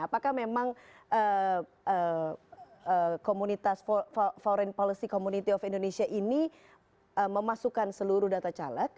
apakah memang komunitas foreign policy community of indonesia ini memasukkan seluruh data caleg